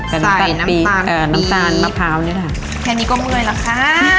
ใส่น้ำตาลตีเอ่อน้ำตาลมะพร้าวเนี้ยแหละแค่นี้ก็เมื่อยล่ะค่ะ